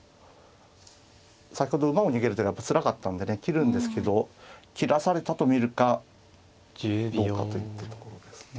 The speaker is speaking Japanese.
先ほど馬を逃げる手がつらかったんでね切るんですけど切らされたと見るかどうかといったところですね。